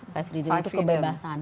five freedom itu kebebasan